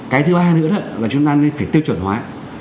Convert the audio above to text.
cái thứ hai nữa là chúng ta nên phải tiêu chuẩn hóa